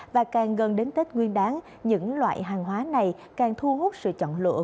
và càng gần đến tết nguyên đáng những loại hàng hóa này càng thu hút sự chọn lựa